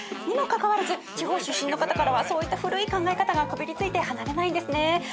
にもかかわらず地方出身の方からはそういった古い考え方がこびりついて離れないんですね。